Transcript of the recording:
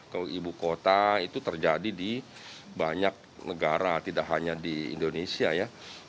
kalau ibu kota itu terjadi di banyak negara tidak hanya di indonesia ya